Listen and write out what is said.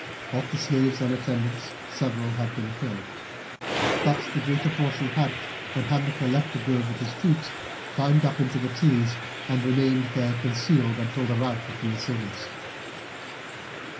Of the slaves and attendants several had been killed, but the greater portion had, when Hamilcar left the grove with the troops, climbed up into trees, and remained there concealed until the rout of the assailants.